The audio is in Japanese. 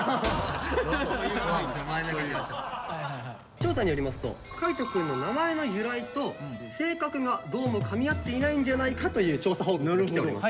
調査によりますと海人くんの名前の由来と性格がどうもかみ合っていないんじゃないかという調査報告がきております。